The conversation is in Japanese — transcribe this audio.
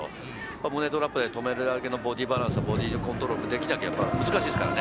胸トラップで止めるだけのボディーバランス、ボディーコントロールもできなれば難しいですからね。